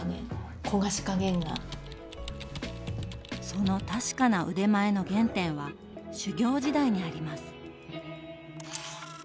その確かな腕前の原点は修業時代にあります。